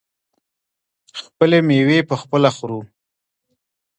خپلې میوې پخپله خورو.